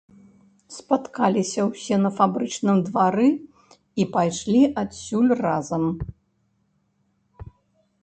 Спаткаліся ўсе на фабрычным двары і пайшлі адсюль разам.